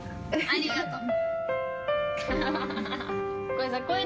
ありがとう。